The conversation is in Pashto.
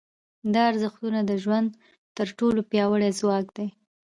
دا ارزښتونه د ژوند تر ټولو پیاوړي ځواک دي.